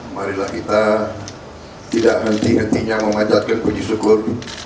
marilah kita tidak henti hentinya mengajarkan puji syukur